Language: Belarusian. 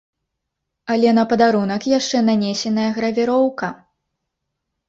Але на падарунак яшчэ нанесеная гравіроўка!